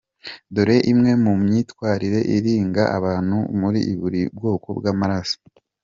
Dore imwe mu myitwarire iranga abantu muri buri bwoko bw’amaraso.